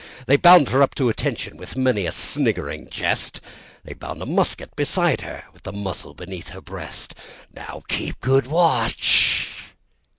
They had bound her up at attention, with many a sniggering jest! They had tied a rifle beside her, with the barrel beneath her breast! "Now keep good watch!"